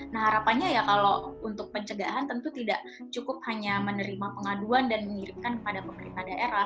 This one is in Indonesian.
nah harapannya ya kalau untuk pencegahan tentu tidak cukup hanya menerima pengaduan dan mengirimkan kepada pemerintah daerah